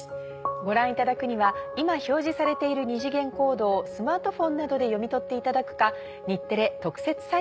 ご覧いただくには今表示されている二次元コードをスマートフォンなどで読み取っていただくか。